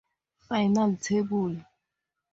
Final table.